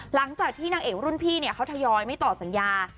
หลังจากที่นางเอกรุ่นพี่เนี่ยเขาทยอยไม่ต่อสัญญา